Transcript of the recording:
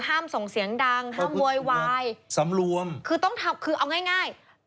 ห้ามส่งเสียงดังห้ามววยวายคือเอาง่าย